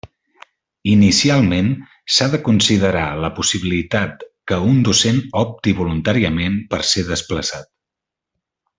Inicialment, s'ha de considerar la possibilitat que un docent opti voluntàriament per ser desplaçat.